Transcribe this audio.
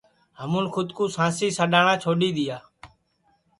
ہمون کھود کُو سانسی سڈؔاٹؔا چھوڈؔ دؔیا